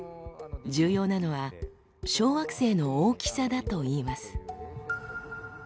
重要なのは小惑星の大きさだといいます。